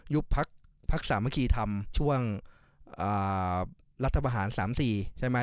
ยุบพรรคสามคีธรรมช่วงรัฐบาหาร๓๔ใช่ไหม